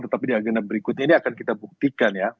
tetapi di agenda berikutnya ini akan kita buktikan ya